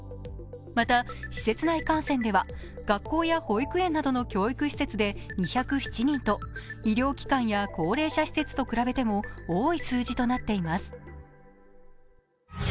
また施設内感染では学校や保育園などの教育施設で２０７人と医療機関や高齢者施設と比べても多い数字となっています。